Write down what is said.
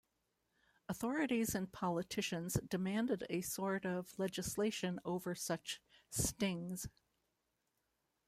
Authorities and politicians demanded a sort of legislation over such "stings".